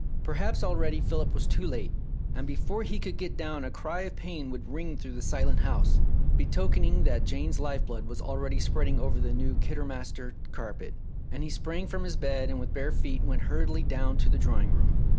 Perhaps already Philip was too late, and before he could get down a cry of pain would ring through the silent house, betokening that Jane's life blood was already spreading over the new Kidderminster carpet, and he sprang from his bed and with bare feet went hurriedly down to the drawing room.